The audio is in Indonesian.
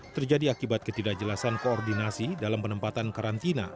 terjadi akibat ketidakjelasan koordinasi dalam penempatan karantina